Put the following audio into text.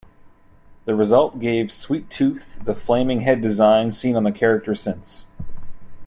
The result gave Sweet Tooth the flaming head design seen on the character since.